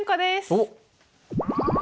おっ！